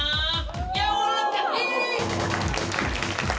「やわらかい！」